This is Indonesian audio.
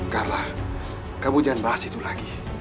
kalah kamu jangan bahas itu lagi